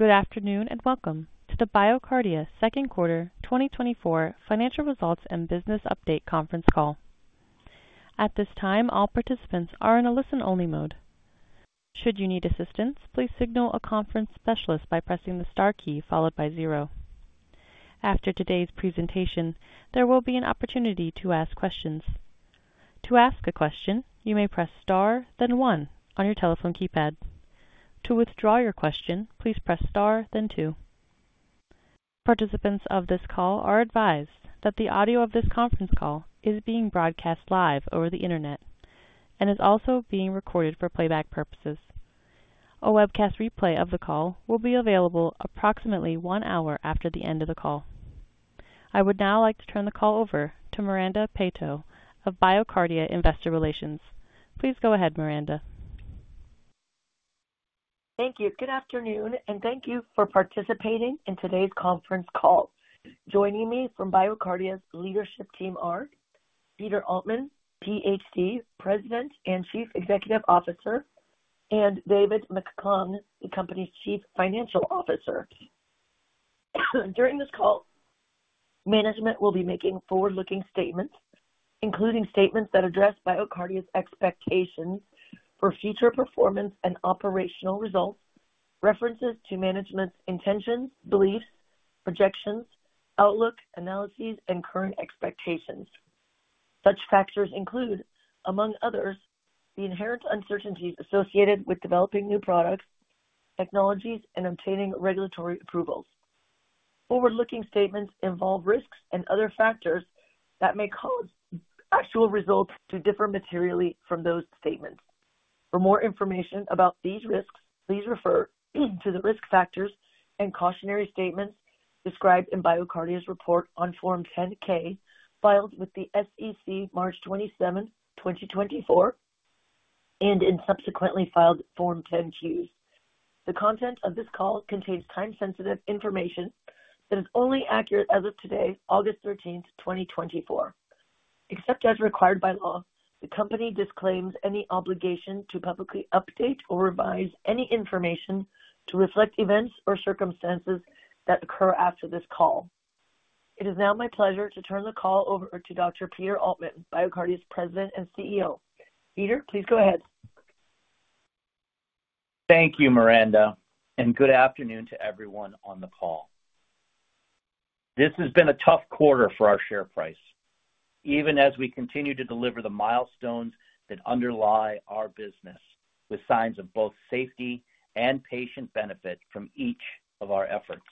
Good afternoon, and welcome to the BioCardia Second Quarter 2024 Financial Results and Business Update Conference Call. At this time, all participants are in a listen-only mode. Should you need assistance, please signal a conference specialist by pressing the star key followed by zero. After today's presentation, there will be an opportunity to ask questions. To ask a question, you may press star, then one on your telephone keypad. To withdraw your question, please press star then two. Participants of this call are advised that the audio of this conference call is being broadcast live over the Internet and is also being recorded for playback purposes. A webcast replay of the call will be available approximately one hour after the end of the call. I would now like to turn the call over to Miranda Peto of BioCardia Investor Relations. Please go ahead, Miranda. Thank you. Good afternoon, and thank you for participating in today's conference call. Joining me from BioCardia's leadership team are Peter Altman, Ph.D., President and Chief Executive Officer, and David McClung, the company's Chief Financial Officer. During this call, management will be making forward-looking statements, including statements that address BioCardia's expectations for future performance and operational results, references to management's intentions, beliefs, projections, outlook, analyses, and current expectations. Such factors include, among others, the inherent uncertainties associated with developing new products, technologies, and obtaining regulatory approvals. Forward-looking statements involve risks and other factors that may cause actual results to differ materially from those statements. For more information about these risks, please refer to the risk factors and cautionary statements described in BioCardia's report on Form 10-K, filed with the SEC March 27, 2024, and in subsequently filed Form 10-Qs. The content of this call contains time-sensitive information that is only accurate as of today, August 13, 2024. Except as required by law, the company disclaims any obligation to publicly update or revise any information to reflect events or circumstances that occur after this call. It is now my pleasure to turn the call over to Dr. Peter Altman, BioCardia's President and CEO. Peter, please go ahead. Thank you, Miranda, and good afternoon to everyone on the call. This has been a tough quarter for our share price, even as we continue to deliver the milestones that underlie our business with signs of both safety and patient benefit from each of our efforts.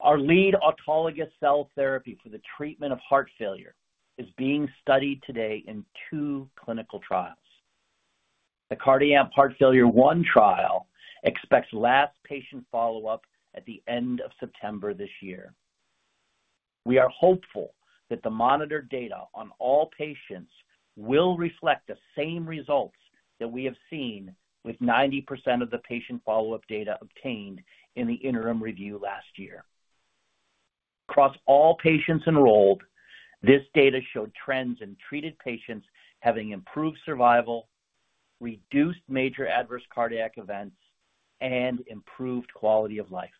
Our lead autologous cell therapy for the treatment of heart failure is being studied today in two clinical trials. The CardiAmp Heart Failure I trial expects last patient follow-up at the end of September this year. We are hopeful that the monitored data on all patients will reflect the same results that we have seen with 90% of the patient follow-up data obtained in the interim review last year. Across all patients enrolled, this data showed trends in treated patients having improved survival, reduced major adverse cardiac events, and improved quality of life.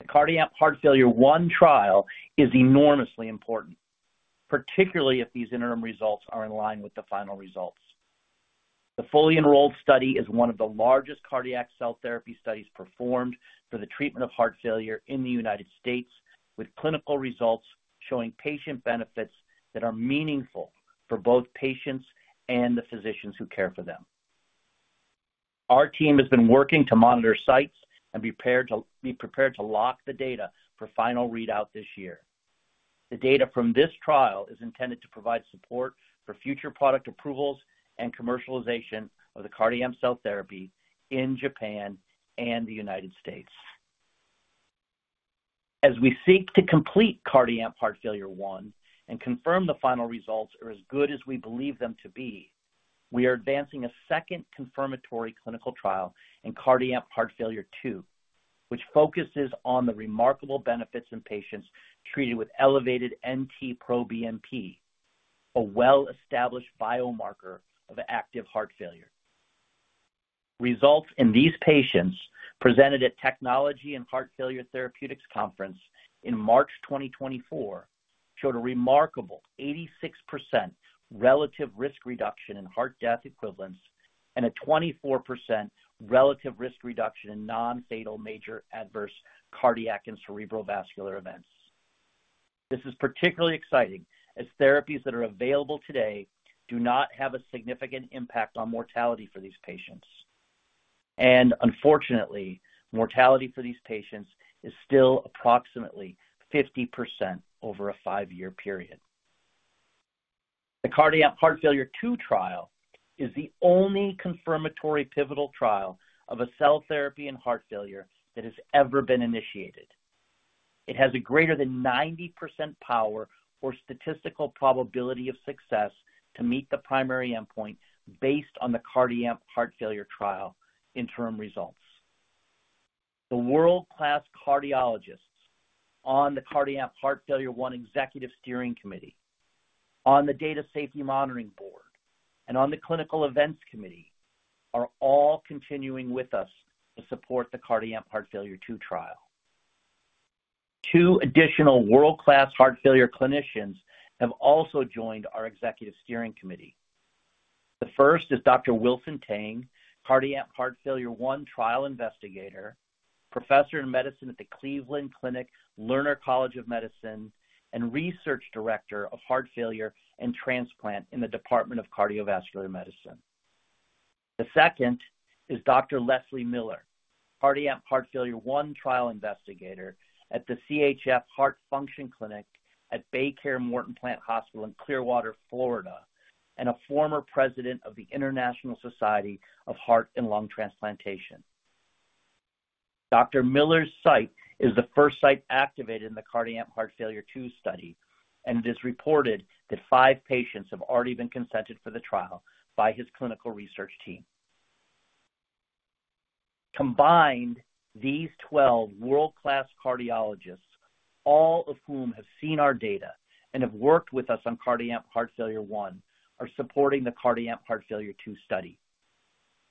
The CardiAmp Heart Failure I trial is enormously important, particularly if these interim results are in line with the final results. The fully enrolled study is one of the largest cardiac cell therapy studies performed for the treatment of heart failure in the United States, with clinical results showing patient benefits that are meaningful for both patients and the physicians who care for them. Our team has been working to monitor sites and be prepared to lock the data for final readout this year. The data from this trial is intended to provide support for future product approvals and commercialization of the CardiAmp cell therapy in Japan and the United States. As we seek to complete CardiAmp Heart Failure I and confirm the final results are as good as we believe them to be, we are advancing a second confirmatory clinical trial in CardiAmp Heart Failure II, which focuses on the remarkable benefits in patients treated with elevated NT-proBNP, a well-established biomarker of active heart failure. Results in these patients, presented at Technology and Heart Failure Therapeutics Conference in March 2024, showed a remarkable 86% relative risk reduction in heart death equivalents and a 24% relative risk reduction in non-fatal major adverse cardiac and cerebrovascular events. This is particularly exciting, as therapies that are available today do not have a significant impact on mortality for these patients. Unfortunately, mortality for these patients is still approximately 50% over a five-year period. The CardiAmp Heart Failure II trial is the only confirmatory pivotal trial of a cell therapy in heart failure that has ever been initiated. It has a greater than 90% power or statistical probability of success to meet the primary endpoint based on the CardiAmp Heart Failure I trial interim results. The world-class cardiologists on the CardiAmp Heart Failure I Executive Steering Committee, on the Data Safety Monitoring Board, and on the Clinical Events Committee are all continuing with us to support the CardiAmp Heart Failure II trial. Two additional world-class heart failure clinicians have also joined our executive steering committee. The first is Dr. Wilson Tang, CardiAmp Heart Failure I trial investigator, professor in medicine at the Cleveland Clinic Lerner College of Medicine, and research director of heart failure and transplant in the Department of Cardiovascular Medicine. The second is Dr. Leslie Miller, CardiAmp Heart Failure I trial investigator at the CHF Heart Function Clinic at BayCare Morton Plant Hospital in Clearwater, Florida, and a former president of the International Society for Heart and Lung Transplantation. Dr. Miller's site is the first site activated in the CardiAmp Heart Failure II study, and it is reported that 5 patients have already been consented for the trial by his clinical research team. Combined, these 12 world-class cardiologists, all of whom have seen our data and have worked with us on CardiAmp Heart Failure I, are supporting the CardiAmp Heart Failure II study.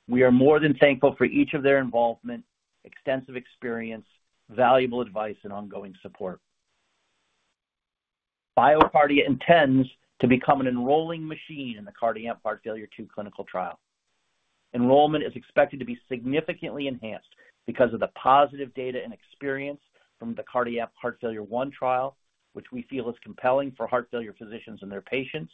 We are more than thankful for each of their involvement, extensive experience, valuable advice, and ongoing support. BioCardia intends to become an enrolling machine in the CardiAmp Heart Failure II clinical trial. Enrollment is expected to be significantly enhanced because of the positive data and experience from the CardiAmp Heart Failure I trial, which we feel is compelling for heart failure physicians and their patients.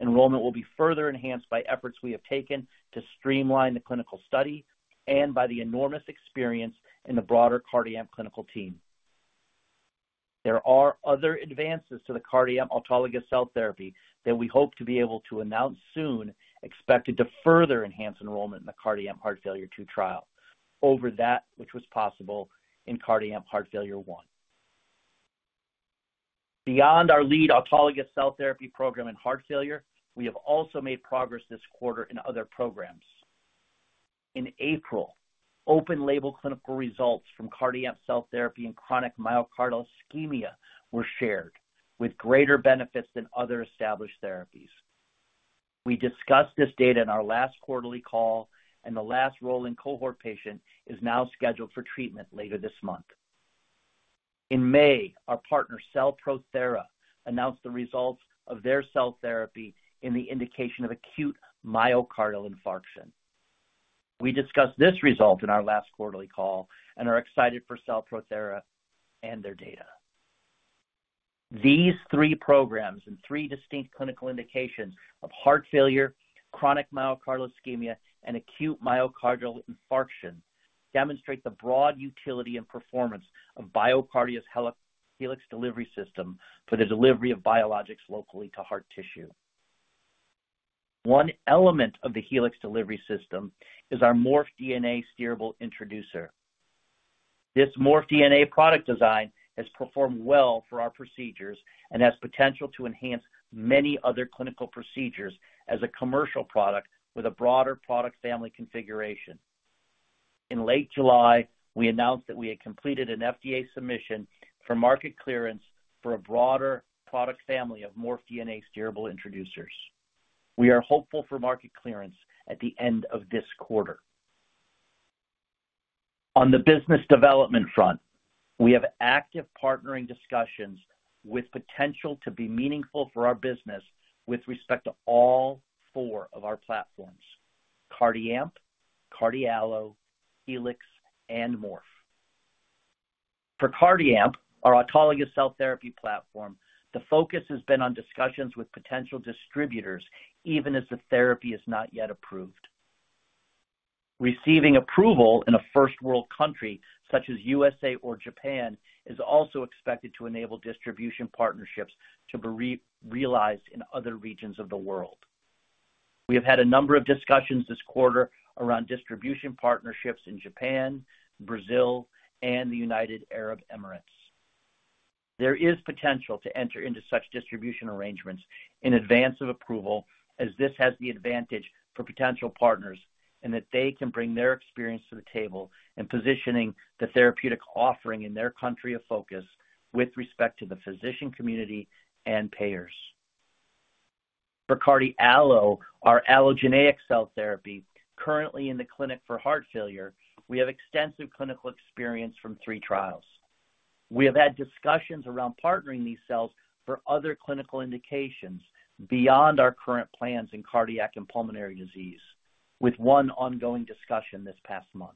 Enrollment will be further enhanced by efforts we have taken to streamline the clinical study and by the enormous experience in the broader CardiAmp clinical team. There are other advances to the CardiAmp autologous cell therapy that we hope to be able to announce soon, expected to further enhance enrollment in the CardiAmp Heart Failure II trial over that which was possible in CardiAmp Heart Failure I. Beyond our lead autologous cell therapy program in heart failure, we have also made progress this quarter in other programs. In April, open-label clinical results from CardiAmp cell therapy in chronic myocardial ischemia were shared, with greater benefits than other established therapies. We discussed this data in our last quarterly call, and the last rolling cohort patient is now scheduled for treatment later this month. In May, our partner, CellProthera, announced the results of their cell therapy in the indication of acute myocardial infarction. We discussed this result in our last quarterly call and are excited for CellProthera and their data. These three programs and three distinct clinical indications of heart failure, chronic myocardial ischemia, and acute myocardial infarction demonstrate the broad utility and performance of BioCardia's Helix delivery system for the delivery of biologics locally to heart tissue. One element of the Helix delivery system is our Morph DNA steerable introducer. This Morph DNA product design has performed well for our procedures and has potential to enhance many other clinical procedures as a commercial product with a broader product family configuration. In late July, we announced that we had completed an FDA submission for market clearance for a broader product family of Morph DNA steerable introducers. We are hopeful for market clearance at the end of this quarter. On the business development front, we have active partnering discussions with potential to be meaningful for our business with respect to all four of our platforms: CardiAmp, CardiALLO, Helix, and Morph. For CardiAmp, our autologous cell therapy platform, the focus has been on discussions with potential distributors, even as the therapy is not yet approved. Receiving approval in a first world country, such as USA or Japan, is also expected to enable distribution partnerships to be realized in other regions of the world. We have had a number of discussions this quarter around distribution partnerships in Japan, Brazil, and the United Arab Emirates. There is potential to enter into such distribution arrangements in advance of approval, as this has the advantage for potential partners, and that they can bring their experience to the table in positioning the therapeutic offering in their country of focus with respect to the physician community and payers. For CardiALLO, our allogeneic cell therapy, currently in the clinic for heart failure, we have extensive clinical experience from three trials. We have had discussions around partnering these cells for other clinical indications beyond our current plans in cardiac and pulmonary disease, with one ongoing discussion this past month.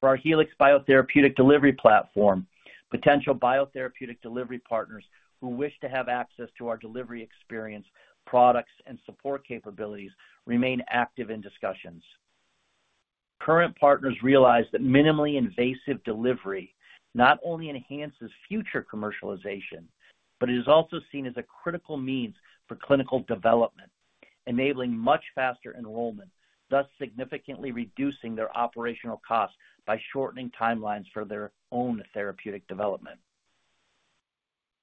For our Helix biotherapeutic delivery platform, potential biotherapeutic delivery partners who wish to have access to our delivery experience, products, and support capabilities remain active in discussions. Current partners realize that minimally invasive delivery not only enhances future commercialization, but it is also seen as a critical means for clinical development, enabling much faster enrollment, thus significantly reducing their operational costs by shortening timelines for their own therapeutic development.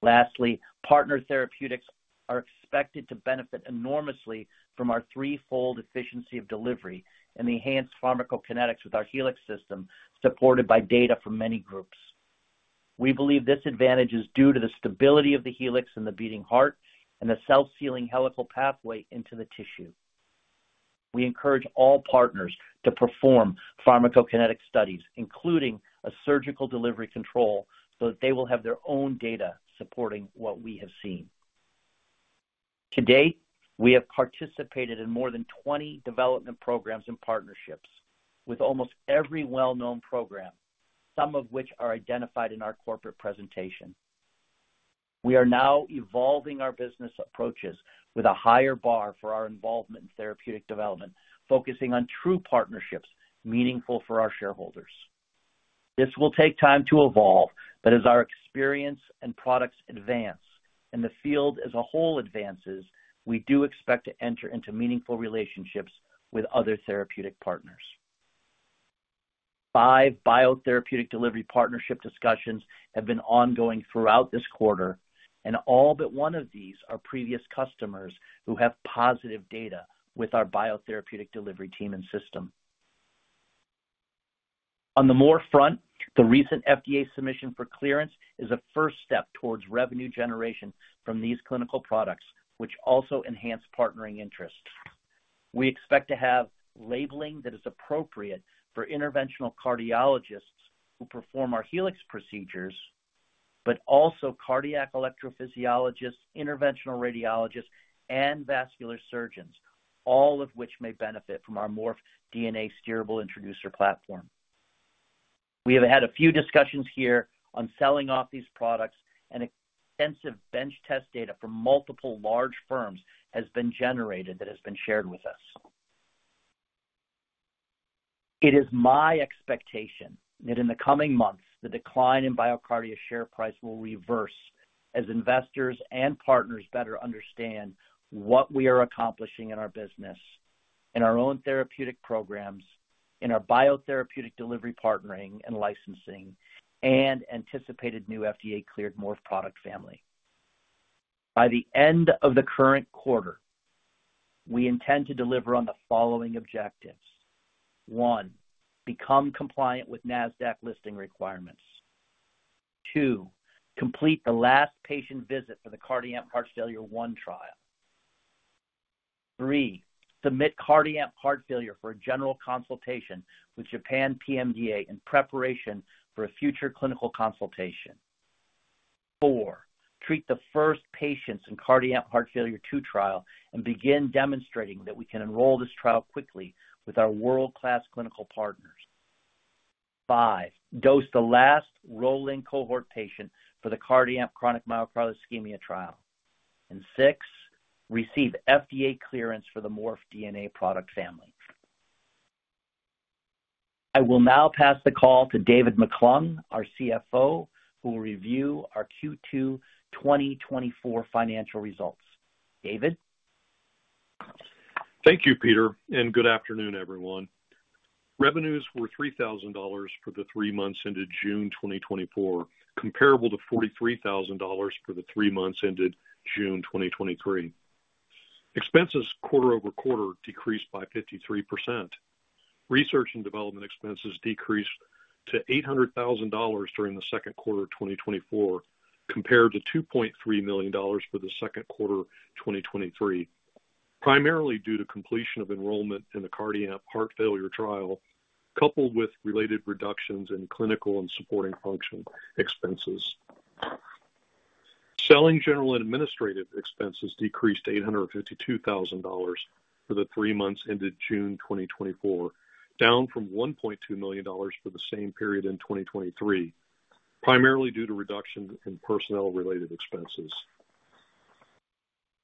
Lastly, partner therapeutics are expected to benefit enormously from our threefold efficiency of delivery and the enhanced pharmacokinetics with our Helix System, supported by data from many groups. We believe this advantage is due to the stability of the Helix and the beating heart and the self-sealing helical pathway into the tissue. We encourage all partners to perform pharmacokinetic studies, including a surgical delivery control, so that they will have their own data supporting what we have seen. To date, we have participated in more than 20 development programs and partnerships with almost every well-known program, some of which are identified in our corporate presentation. We are now evolving our business approaches with a higher bar for our involvement in therapeutic development, focusing on true partnerships meaningful for our shareholders. This will take time to evolve, but as our experience and products advance and the field as a whole advances, we do expect to enter into meaningful relationships with other therapeutic partners. 5 biotherapeutic delivery partnership discussions have been ongoing throughout this quarter, and all but one of these are previous customers who have positive data with our biotherapeutic delivery team and system. On the Morph front, the recent FDA submission for clearance is a first step towards revenue generation from these clinical products, which also enhance partnering interests. We expect to have labeling that is appropriate for interventional cardiologists who perform our Helix procedures, but also cardiac electrophysiologists, interventional radiologists, and vascular surgeons, all of which may benefit from our Morph DNA steerable introducer platform. We have had a few discussions here on selling off these products, and extensive bench test data from multiple large firms has been generated that has been shared with us. It is my expectation that in the coming months, the decline in BioCardia's share price will reverse as investors and partners better understand what we are accomplishing in our business, in our own therapeutic programs, in our biotherapeutic delivery, partnering and licensing, and anticipated new FDA-cleared Morph product family. By the end of the current quarter, we intend to deliver on the following objectives: One, become compliant with Nasdaq listing requirements. 2, complete the last patient visit for the CardiAmp Heart Failure I trial. 3, submit CardiAmp Heart Failure for a general consultation with Japan PMDA in preparation for a future clinical consultation. 4, treat the first patients in CardiAmp Heart Failure II trial and begin demonstrating that we can enroll this trial quickly with our world-class clinical partners. 5, dose the last rolling cohort patient for the CardiAmp Chronic Myocardial Ischemia trial. And 6, receive FDA clearance for the Morph DNA product family. I will now pass the call to David McClung, our CFO, who will review our Q2 2024 financial results. David? Thank you, Peter, and good afternoon, everyone. Revenues were $3,000 for the three months ended June 2024, comparable to $43,000 for the three months ended June 2023. Expenses quarter-over-quarter decreased by 53%. Research and development expenses decreased to $800,000 during the second quarter of 2024, compared to $2.3 million for the second quarter 2023, primarily due to completion of enrollment in the CardiAmp Heart Failure trial, coupled with related reductions in clinical and supporting function expenses. Selling, general, and administrative expenses decreased to $852,000 for the three months ended June 2024, down from $1.2 million for the same period in 2023, primarily due to reduction in personnel-related expenses.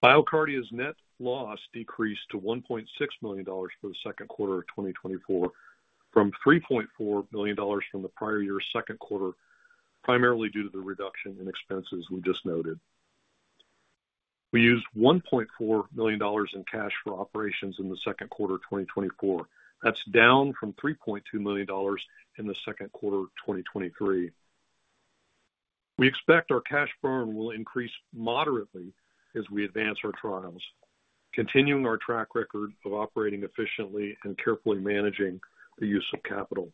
BioCardia's net loss decreased to $1.6 million for the second quarter of 2024, from $3.4 million from the prior year's second quarter, primarily due to the reduction in expenses we just noted. We used $1.4 million in cash for operations in the second quarter 2024. That's down from $3.2 million in the second quarter 2023. We expect our cash burn will increase moderately as we advance our trials, continuing our track record of operating efficiently and carefully managing the use of capital.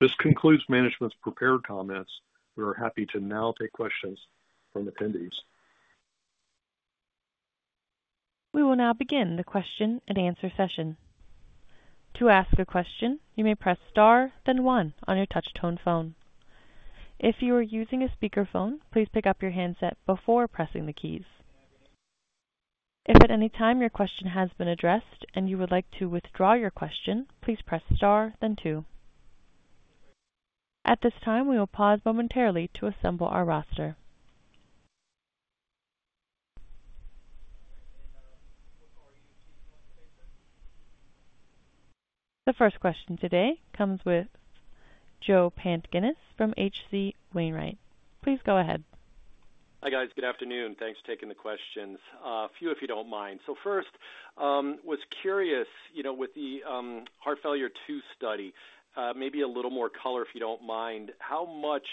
This concludes management's prepared comments. We are happy to now take questions from attendees. We will now begin the question and answer session. To ask a question, you may press star, then one on your touch tone phone. If you are using a speakerphone, please pick up your handset before pressing the keys. If at any time your question has been addressed and you would like to withdraw your question, please press star then two. At this time, we will pause momentarily to assemble our roster. The first question today comes from Joe Pantginis from H.C. Wainwright. Please go ahead. Hi, guys. Good afternoon. Thanks for taking the questions. A few, if you don't mind. So first, was curious, you know, with the Heart Failure II study, maybe a little more color, if you don't mind. How much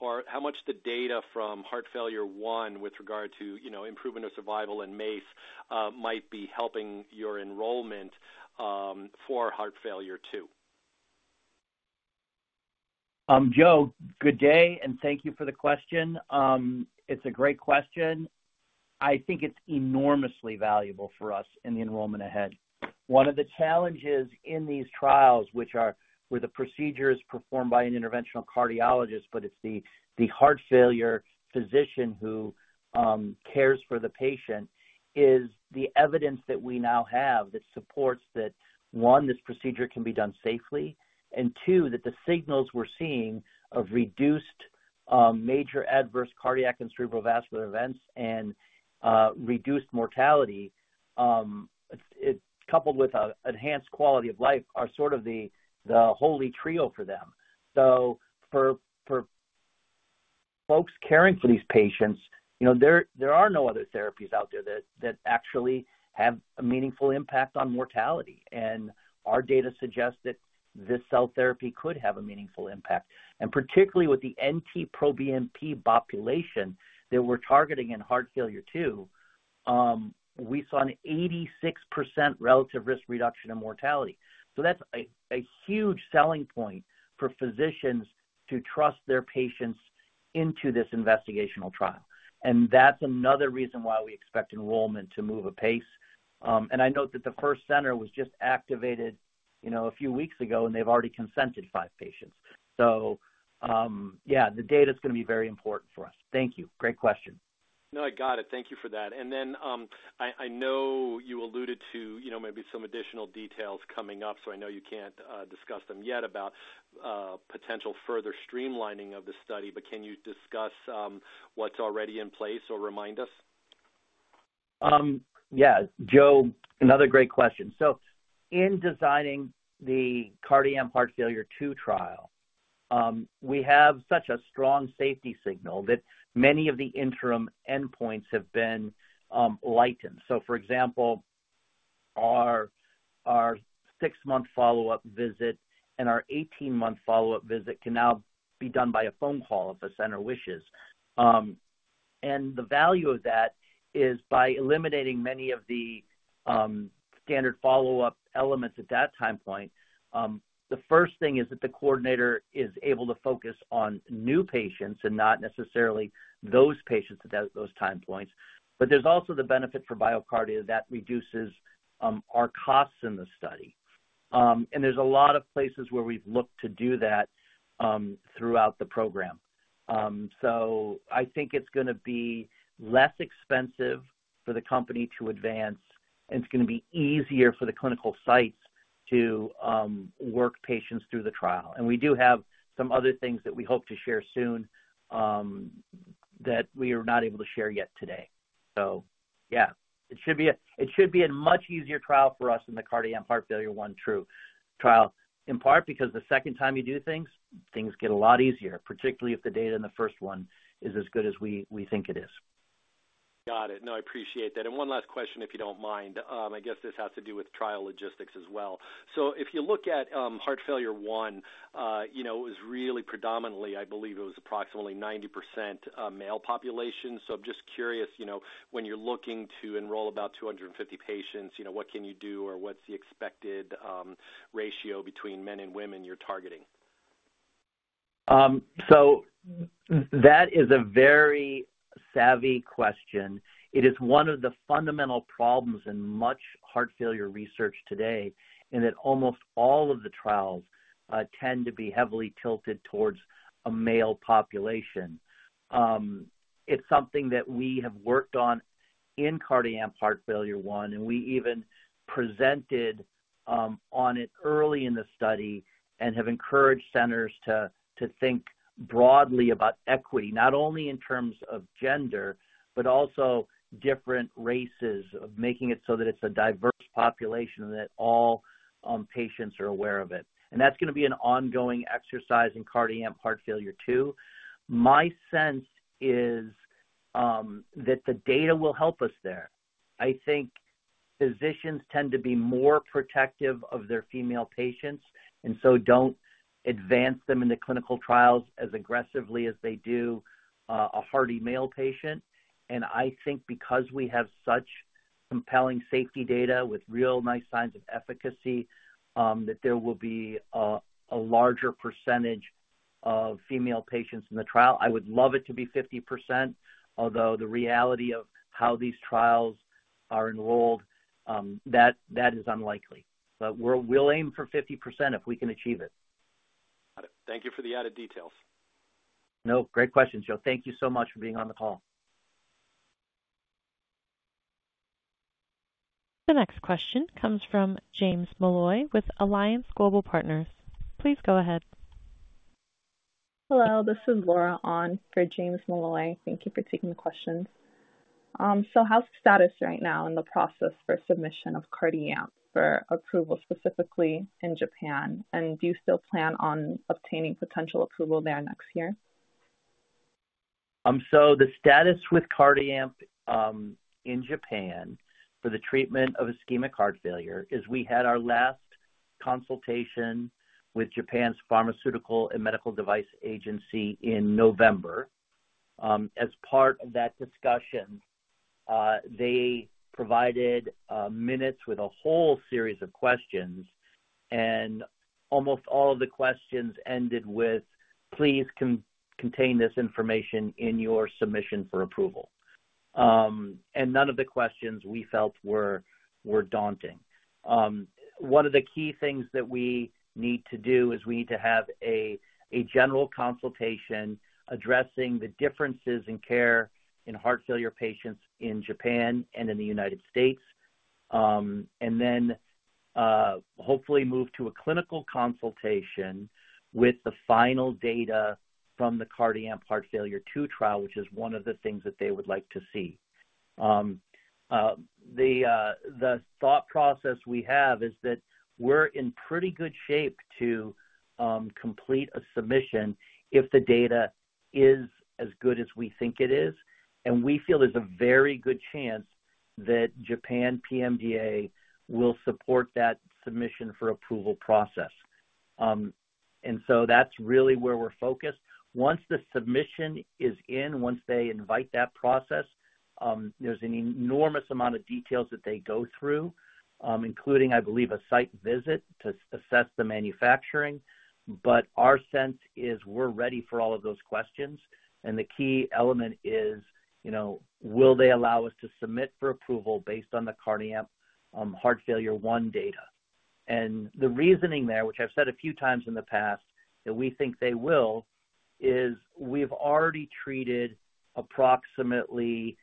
or how much the data from Heart Failure I, with regard to, you know, improvement of survival in MACE, might be helping your enrollment, for Heart Failure II? Joe, good day, and thank you for the question. It's a great question. I think it's enormously valuable for us in the enrollment ahead. One of the challenges in these trials, which are where the procedure is performed by an interventional cardiologist, but it's the heart failure physician who cares for the patient, is the evidence that we now have that supports that, one, this procedure can be done safely, and two, that the signals we're seeing of reduced major adverse cardiac and cerebral vascular events and reduced mortality, it coupled with a enhanced quality of life, are sort of the holy trio for them. So for folks caring for these patients, you know, there are no other therapies out there that actually have a meaningful impact on mortality, and our data suggests that this cell therapy could have a meaningful impact. And particularly with the NT-proBNP population that we're targeting in Heart Failure II, we saw an 86% relative risk reduction in mortality. So that's a huge selling point for physicians to trust their patients into this investigational trial. And that's another reason why we expect enrollment to move apace. And I note that the first center was just activated, you know, a few weeks ago, and they've already consented 5 patients. So, yeah, the data is going to be very important for us. Thank you. Great question. No, I got it. Thank you for that. And then, I know you alluded to, you know, maybe some additional details coming up, so I know you can't discuss them yet about potential further streamlining of the study, but can you discuss what's already in place or remind us? Yeah, Joe, another great question. So in designing the CardiAmp Heart Failure II trial, we have such a strong safety signal that many of the interim endpoints have been lightened. So for example, our 6-month follow-up visit and our 18-month follow-up visit can now be done by a phone call if a center wishes. And the value of that is by eliminating many of the standard follow-up elements at that time point, the first thing is that the coordinator is able to focus on new patients and not necessarily those patients at those time points. But there's also the benefit for BioCardia, that reduces our costs in the study. And there's a lot of places where we've looked to do that throughout the program. So, I think it's going to be less expensive for the company to advance, and it's going to be easier for the clinical sites to work patients through the trial. And we do have some other things that we hope to share soon, that we are not able to share yet today. So yeah, it should be a much easier trial for us than the CardiAmp Heart Failure I trial, in part because the second time you do things, things get a lot easier, particularly if the data in the first one is as good as we think it is. Got it. No, I appreciate that. And one last question, if you don't mind. I guess this has to do with trial logistics as well. So if you look at Heart Failure I, you know, it was really predominantly, I believe it was approximately 90%, male population. So I'm just curious, you know, when you're looking to enroll about 250 patients, you know, what can you do, or what's the expected ratio between men and women you're targeting? So that is a very savvy question. It is one of the fundamental problems in much heart failure research today, in that almost all of the trials tend to be heavily tilted towards a male population. It's something that we have worked on in CardiAmp Heart Failure I, and we even presented on it early in the study and have encouraged centers to think broadly about equity, not only in terms of gender, but also different races, of making it so that it's a diverse population and that all patients are aware of it. And that's going to be an ongoing exercise in CardiAmp Heart Failure II. My sense is that the data will help us there. I think physicians tend to be more protective of their female patients and so don't advance them into clinical trials as aggressively as they do a hearty male patient. And I think because we have such compelling safety data with real nice signs of efficacy, that there will be a larger percentage of female patients in the trial. I would love it to be 50%, although the reality of how these trials are enrolled, that is unlikely. But we'll aim for 50% if we can achieve it. Got it. Thank you for the added details. No, great question, Joe. Thank you so much for being on the call. The next question comes from James Molloy with Alliance Global Partners. Please go ahead. Hello, this is Laura On for James Molloy. Thank you for taking the questions.... So how's the status right now in the process for submission of CardiAmp for approval, specifically in Japan? And do you still plan on obtaining potential approval there next year? So the status with CardiAmp, in Japan for the treatment of ischemic heart failure, is we had our last consultation with Japan's Pharmaceuticals and Medical Devices Agency in November. As part of that discussion, they provided minutes with a whole series of questions, and almost all of the questions ended with, "Please contain this information in your submission for approval." And none of the questions we felt were daunting. One of the key things that we need to do is we need to have a general consultation addressing the differences in care in heart failure patients in Japan and in the United States. And then, hopefully move to a clinical consultation with the final data from the CardiAmp Heart Failure II trial, which is one of the things that they would like to see. The thought process we have is that we're in pretty good shape to complete a submission if the data is as good as we think it is. We feel there's a very good chance that Japan PMDA will support that submission for approval process. So that's really where we're focused. Once the submission is in, once they invite that process, there's an enormous amount of details that they go through, including, I believe, a site visit to assess the manufacturing. But our sense is we're ready for all of those questions, and the key element is, you know, will they allow us to submit for approval based on the CardiAmp Heart Failure I data? The reasoning there, which I've said a few times in the past, that we think they will, is we've already treated approximately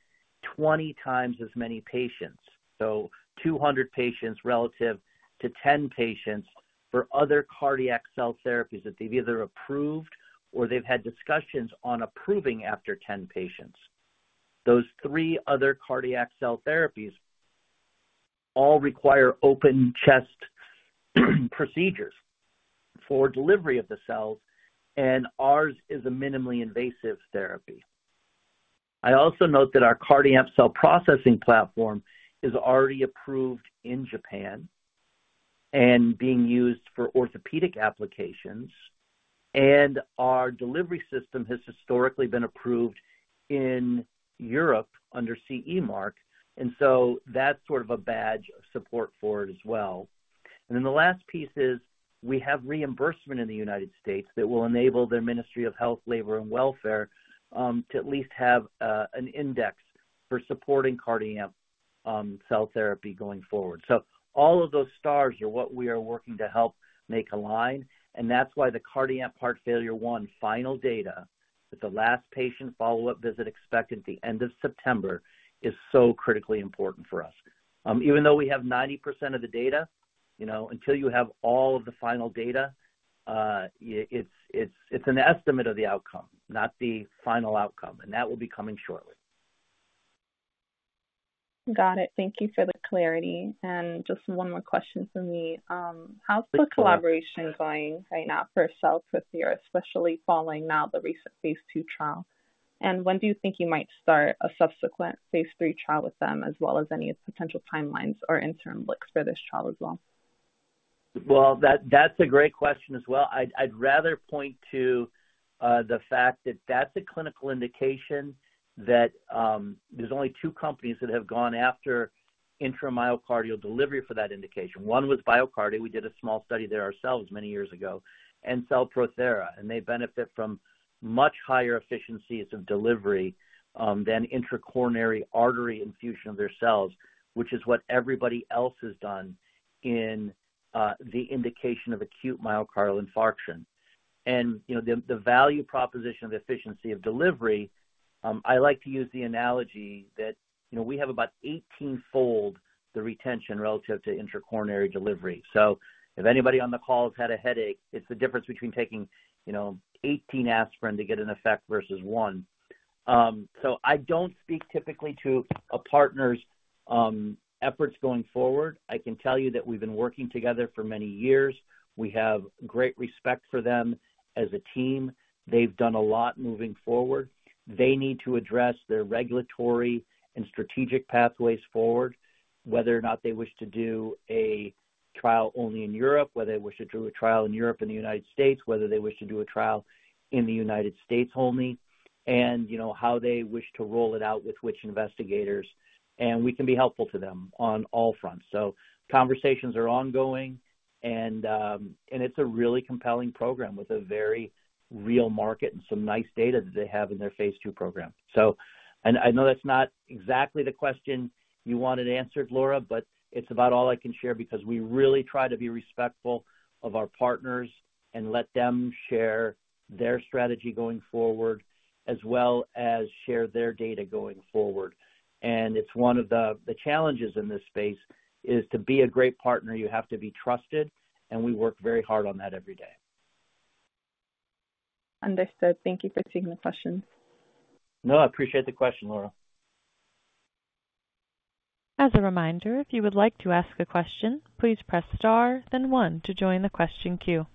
20 times as many patients, so 200 patients relative to 10 patients, for other cardiac cell therapies that they've either approved or they've had discussions on approving after 10 patients. Those three other cardiac cell therapies all require open chest procedures for delivery of the cells, and ours is a minimally invasive therapy. I also note that our CardiAmp cell processing platform is already approved in Japan and being used for orthopedic applications, and our delivery system has historically been approved in Europe under CE mark, and so that's sort of a badge of support for it as well. And then the last piece is, we have reimbursement in the United States that will enable the Ministry of Health, Labour and Welfare, to at least have, an index for supporting CardiAmp, cell therapy going forward. So all of those stars are what we are working to help make align, and that's why the CardiAmp Heart Failure I final data, with the last patient follow-up visit expected at the end of September, is so critically important for us. Even though we have 90% of the data, you know, until you have all of the final data, it's, it's, it's an estimate of the outcome, not the final outcome, and that will be coming shortly. Got it. Thank you for the clarity. And just one more question from me. How's the collaboration going right now for CellProthera, especially following now the recent phase II trial? And when do you think you might start a subsequent phase III trial with them, as well as any potential timelines or interim looks for this trial as well? Well, that's a great question as well. I'd rather point to the fact that that's a clinical indication that there's only two companies that have gone after intramyocardial delivery for that indication. One was BioCardia. We did a small study there ourselves many years ago, and CellProthera, and they benefit from much higher efficiencies of delivery than intracoronary artery infusion of their cells, which is what everybody else has done in the indication of acute myocardial infarction. And, you know, the value proposition of the efficiency of delivery, I like to use the analogy that, you know, we have about 18-fold the retention relative to intracoronary delivery. So if anybody on the call has had a headache, it's the difference between taking, you know, 18 aspirin to get an effect versus one. So I don't speak typically to a partner's efforts going forward. I can tell you that we've been working together for many years. We have great respect for them as a team. They've done a lot moving forward. They need to address their regulatory and strategic pathways forward, whether or not they wish to do a trial only in Europe, whether they wish to do a trial in Europe and the United States, whether they wish to do a trial in the United States only, and, you know, how they wish to roll it out with which investigators, and we can be helpful to them on all fronts. So conversations are ongoing, and it's a really compelling program with a very real market and some nice data that they have in their phase II program. So... And I know that's not exactly the question you wanted answered, Laura, but it's about all I can share because we really try to be respectful of our partners and let them share their strategy going forward, as well as share their data going forward. It's one of the challenges in this space: to be a great partner, you have to be trusted, and we work very hard on that every day. ... Understood. Thank you for taking the question. No, I appreciate the question, Laura. As a reminder, if you would like to ask a question, please press star, then one to join the question queue.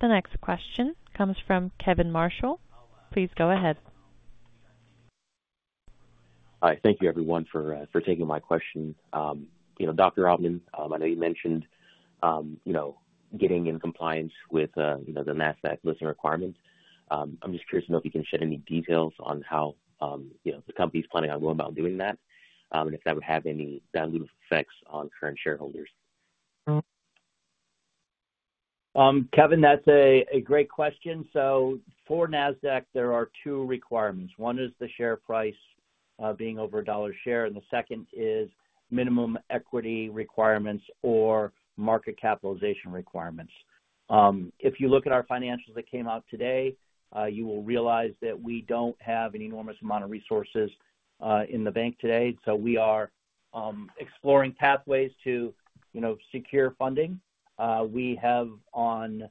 The next question comes from Kevin Marshall. Please go ahead. Hi, thank you everyone for taking my question. You know, Dr. Altman, I know you mentioned you know, getting in compliance with you know, the NASDAQ listing requirements. I'm just curious to know if you can shed any details on how you know, the company's planning on going about doing that, and if that would have any dilutive effects on current shareholders? Kevin, that's a great question. So for Nasdaq, there are two requirements. One is the share price being over $1 a share, and the second is minimum equity requirements or market capitalization requirements. If you look at our financials that came out today, you will realize that we don't have an enormous amount of resources in the bank today, so we are exploring pathways to, you know, secure funding. We have on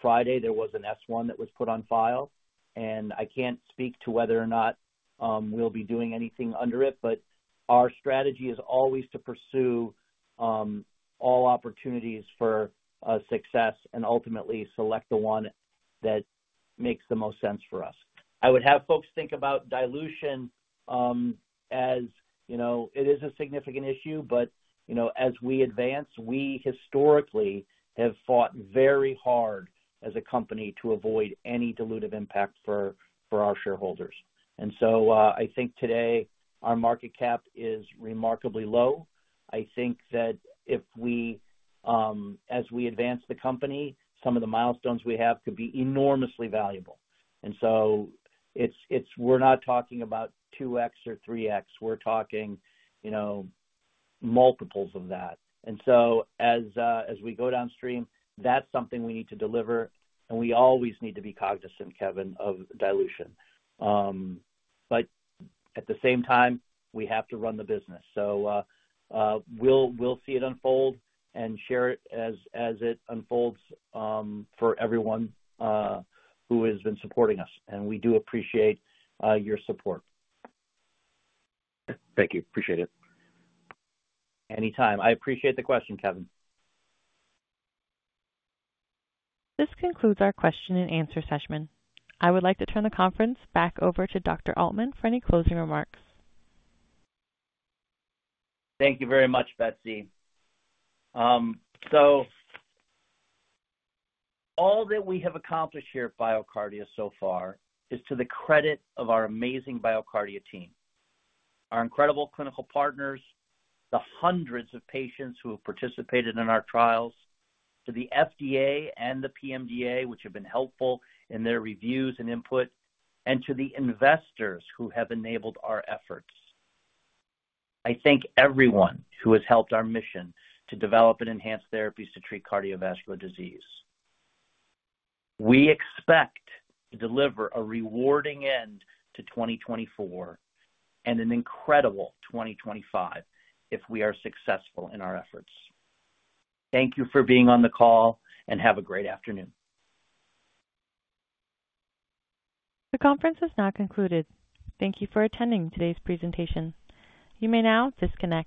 Friday, there was an S-1 that was put on file, and I can't speak to whether or not we'll be doing anything under it, but our strategy is always to pursue all opportunities for success and ultimately select the one that makes the most sense for us. I would have folks think about dilution, as you know, it is a significant issue, but, you know, as we advance, we historically have fought very hard as a company to avoid any dilutive impact for our shareholders. And so, I think today our market cap is remarkably low. I think that if we, as we advance the company, some of the milestones we have could be enormously valuable. And so we're not talking about 2x or 3x. We're talking, you know, multiples of that. And so as we go downstream, that's something we need to deliver, and we always need to be cognizant, Kevin, of dilution. But at the same time, we have to run the business. We'll see it unfold and share it as it unfolds for everyone who has been supporting us, and we do appreciate your support. Thank you. Appreciate it. Anytime. I appreciate the question, Kevin. This concludes our question and answer session. I would like to turn the conference back over to Dr. Altman for any closing remarks. Thank you very much, Betsy. So all that we have accomplished here at BioCardia so far is to the credit of our amazing BioCardia team, our incredible clinical partners, the hundreds of patients who have participated in our trials, to the FDA and the PMDA, which have been helpful in their reviews and input, and to the investors who have enabled our efforts. I thank everyone who has helped our mission to develop and enhance therapies to treat cardiovascular disease. We expect to deliver a rewarding end to 2024 and an incredible 2025 if we are successful in our efforts. Thank you for being on the call, and have a great afternoon. The conference has now concluded. Thank you for attending today's presentation. You may now disconnect.